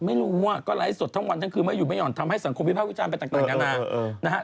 ไม่รู้ว่าก็ไลฟ์สดทั้งวันทั้งคืนไม่อยู่ไม่นอนทำให้สังคมวิทยาพยาวิชาลเป็นต่างนานา